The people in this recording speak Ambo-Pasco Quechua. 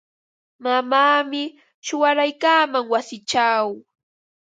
Mamaami shuwaraykaaman wasichaw.